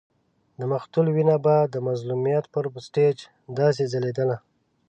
د مقتول وینه به د مظلومیت پر سټېج داسې ځلېدله.